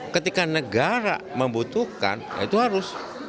ketika negara membutuhkan ya itu harus